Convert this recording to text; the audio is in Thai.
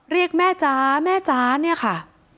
เรียกแม่จ๊ะแม่จ๋าเนี่ยค่ะ